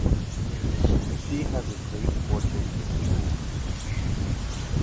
She has a great fortune in jewels.